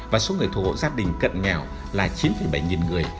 và số người thuộc hội gia đình cận nghèo là chín bảy người